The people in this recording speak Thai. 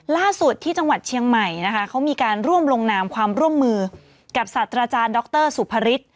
ล่าสุดที่จังหวัดเชียงใหม่นะคะเขามีการร่วมลงนามความร่วมมือกับศาสตราจารย์ดรสุภฤษ